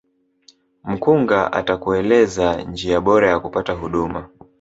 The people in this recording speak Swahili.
mkunga atakueleza njia bora ya kupata huduma